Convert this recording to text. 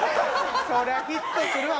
そりゃヒットするわ